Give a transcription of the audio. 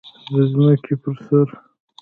د ځمکې پر سر